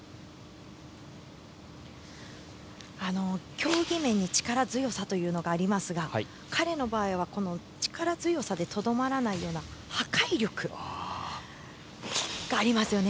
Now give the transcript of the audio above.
競技面に力強さというのがありますが彼の場合は力強さでとどまらないような破壊力がありますよね。